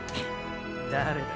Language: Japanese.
誰だ？